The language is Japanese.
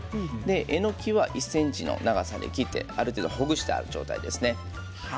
えのきは１ｃｍの長さに切ってある程度ほぐしてある状態ですね。